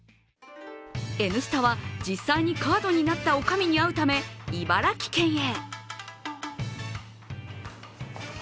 「Ｎスタ」は実際にカードになった女将に会うため、茨城県へ。